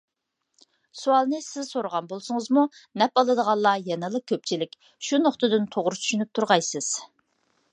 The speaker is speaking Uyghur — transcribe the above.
سوئالنى سىز سورىغان بولسىڭىزمۇ نەپ ئالىدىغانلار يەنىلا كۆپچىلىك. شۇ نۇقتىدىن توغرا چۈشىنىپ تۇرغايسىز.